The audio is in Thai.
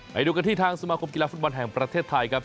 ไปดูกันที่ทางสมาคมกีฬาฟุตบอลแห่งประเทศไทยครับ